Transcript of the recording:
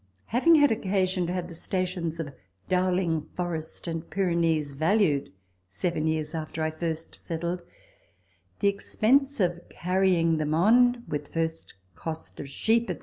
Having had occasion to have the stations of Dowling Forest and Pyrenees valued seven years after I first settled, the expense of carrying them on, with first cost of sheep, &c.